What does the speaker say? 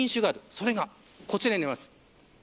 それが、こちらになります。